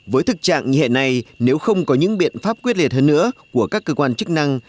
với thực trạng như hiện nay nếu không có những biện pháp quyết liệt hơn nữa của các cơ quan chức năng